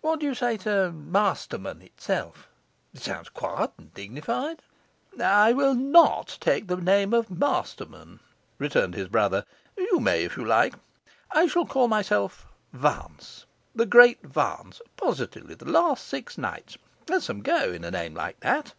What do you say to "Masterman" itself? It sounds quiet and dignified.' 'I will NOT take the name of Masterman,' returned his brother; 'you may, if you like. I shall call myself Vance the Great Vance; positively the last six nights. There's some go in a name like that.